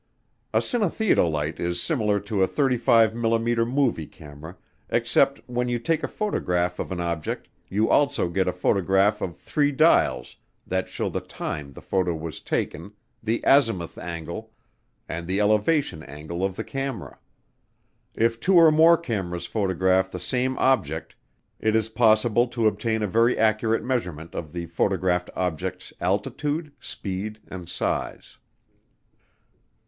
A cinetheodolite is similar to a 35 mm. movie camera except when you take a photograph of an object you also get a photograph of three dials that show the time the photo was taken, the azimuth angle, and the elevation angle of the camera. If two or more cameras photograph the same object, it is possible to obtain a very accurate measurement of the photographed object's altitude, speed, and size.